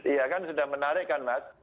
iya kan sudah menarik kan mas